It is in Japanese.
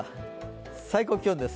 最高気温です。